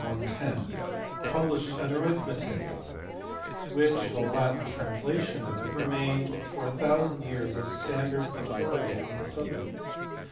110, published an Arithmetic, which (or rather the Latin translation, of it) remained for a thousand years a standard authority on the subject.